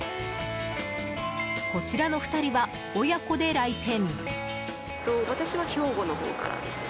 こちらの２人は親子で来店。